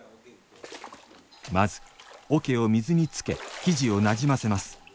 まず桶を水につけ生地をなじませます。